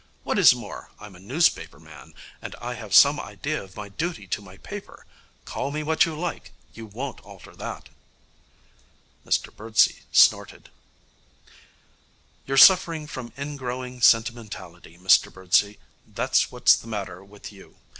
What is more, I'm a newspaper man, and I have some idea of my duty to my paper. Call me what you like, you won't alter that.' Mr Birdsey snorted. 'You're suffering from ingrowing sentimentality, Mr Birdsey. That's what's the matter with you.